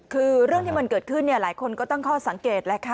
คือเรื่องที่มันเกิดขึ้นหลายคนก็ตั้งข้อสังเกตแหละค่ะ